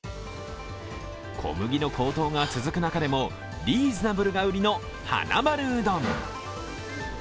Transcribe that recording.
小麦の高騰が続く中でもリーズナブルが売りの、はなまるうどん。